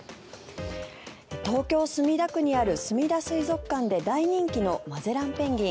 東京・墨田区にあるすみだ水族館で大人気のマゼランペンギン。